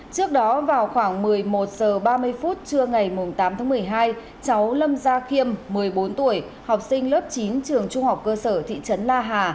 trước đó vào khoảng một mươi một h ba mươi phút trưa ngày tám tháng một mươi hai cháu lâm gia khiêm một mươi bốn tuổi học sinh lớp chín trường trung học cơ sở thị trấn la hà